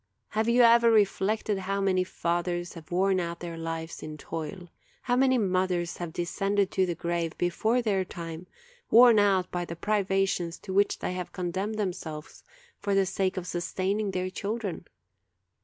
Have you ever reflected how many fathers have worn out their lives in toil? how many mothers have descended to the grave before their time, worn out by the privations to which they have condemned themselves for the sake of sustaining their children?